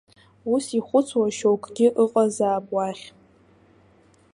Ус ихәыцуа шьоукгьы ыҟазаап уахь.